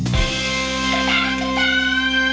สวัสดีครับ